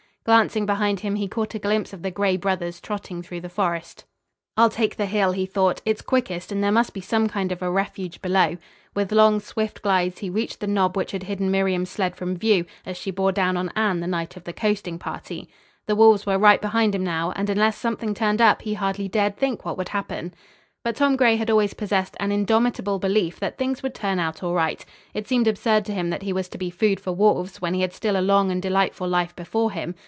Glancing behind him, he caught a glimpse of the gray brothers trotting through the forest. "I'll take the hill," he thought. "It's quickest and there must be some kind of a refuge below." With long, swift glides he reached the knob which had hidden Miriam's sled from view as she bore down on Anne the night of the coasting party. The wolves were right behind him now, and unless something turned up he hardly dared think what would happen. But Tom Gray had always possessed an indomitable belief that things would turn out all right. It seemed absurd to him that he was to be food for wolves when he had still a long and delightful life before him.